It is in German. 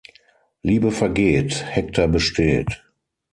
Liebe vergeht, Hektar besteht.